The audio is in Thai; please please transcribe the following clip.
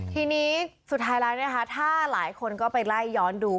ทีนี้สุดท้ายแล้วนะคะถ้าหลายคนก็ไปไล่ย้อนดู